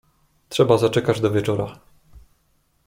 "Trzeba zaczekać do wieczora."